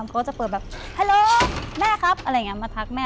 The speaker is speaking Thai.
เขาจะเปิดแบบฮัลแม่ครับอะไรอย่างนี้มาทักแม่